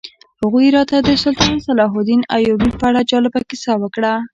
هغوی راته د سلطان صلاح الدین ایوبي په اړه جالبه کیسه وکړه.